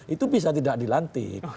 itu bisa tidak dilantik